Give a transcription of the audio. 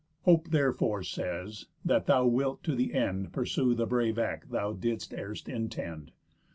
Hope therefore says, that thou wilt to the end Pursue the brave act thou didst erst intend.